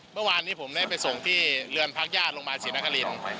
เมื่อวานนี้ผมได้ไปส่งที่เรือนพักญาติโรงพยาบาลศรีนครินทร์